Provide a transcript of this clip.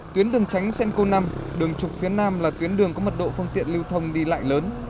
tuyến đường tránh cenco năm đường trục phía nam là tuyến đường có mật độ phương tiện lưu thông đi lại lớn